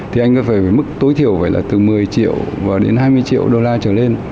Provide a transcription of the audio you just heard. thì anh có phải mức tối thiểu phải là từ một mươi triệu và đến hai mươi triệu đô la trở lên